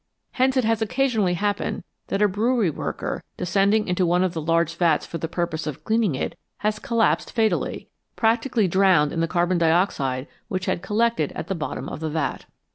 Hence it has occasionally happened that a brewery worker, de scending into one of the large vats for the purpose of cleaning it, has collapsed fatally practically drowned in the carbon dioxide which had collected at the bottom of the vat.